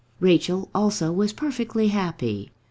Rachel also was perfectly happy.